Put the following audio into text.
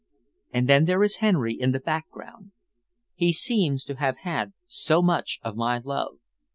And then there is Henry in the background. He seems to have had so much of my love."